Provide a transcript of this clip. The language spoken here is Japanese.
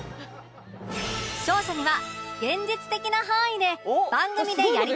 勝者には